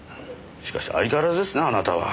しかし相変わらずですなあなたは。